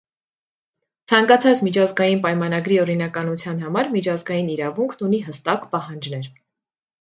Ցանկացած միջազգային պայմանագրի օրինականության համար միջազգային իրավունքն ունի հստակ պահանջներ։